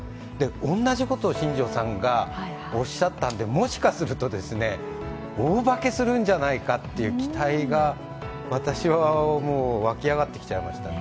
同じことを新庄さんがおっしゃったのでもしかすると、大化けするんじゃないかという期待が私は沸き上がってきちゃいましたね。